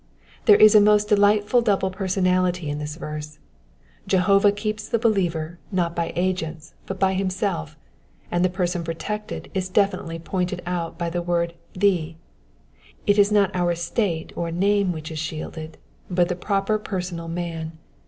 There is a most delightful double personality in this verse : Jehovah keeps the believer, not by agents, but by himself ; and the person protected is definitely pointed out by the word thee, — it is not our estate or name which is shielded, but the proper personal man.